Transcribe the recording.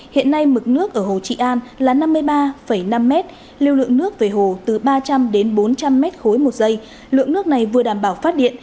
hiện nay mực nước ở hồ trị an là năm mươi ba năm m lưu lượng nước về hồ từ ba trăm linh đến bốn trăm linh m ba một giây lượng nước này vừa đảm bảo phát điện